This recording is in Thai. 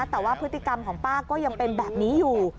แต่ว่าพฤติกรรมของป้าก็ยังเป็นแบบนี้อยู่